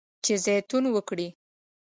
چې زیتون وکري.